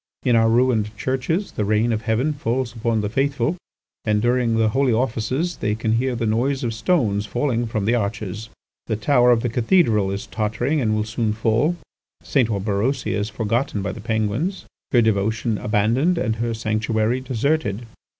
In our ruined churches the rain of heaven falls upon the faithful, and during the holy offices they can hear the noise of stones falling from the arches. The tower of the cathedral is tottering and will soon fall. St. Orberosia is forgotten by the Penguins, her devotion abandoned, and her sanctuary deserted.